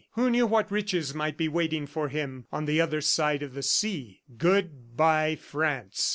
Who knew what riches might be waiting for him, on the other side of the sea! ... Good bye, France!